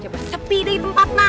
coba sepi deh tempat nak